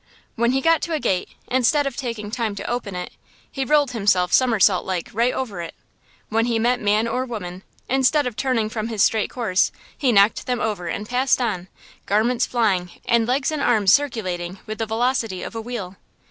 When he got to a gate, instead of taking time to open it, he rolled himself somersault like right over it! When he met man or woman, instead of turning from his straight course, he knocked them over and passed on, garments flying and legs and arms circulating with the velocity of a wheel.